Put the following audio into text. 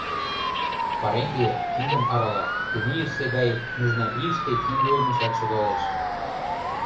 Пареҥге киндым арала, тенийысе гай нужна ийыште кинде олмешат шогалеш.